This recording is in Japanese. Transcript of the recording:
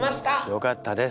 よかったです。